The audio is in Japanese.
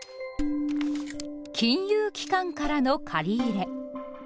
金融機関からの借り入れ。